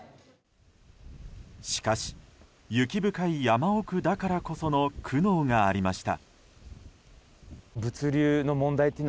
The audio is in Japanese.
しかし、雪深い山奥だからこその苦悩がありました。